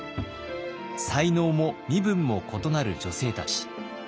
才能も身分も異なる女性たち。